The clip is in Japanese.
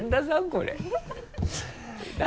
これ。